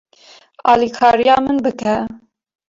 Alîkariya min bike.